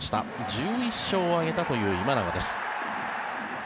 １１勝を挙げたという今永です。